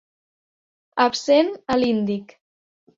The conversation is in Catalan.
Absent a l'Índic.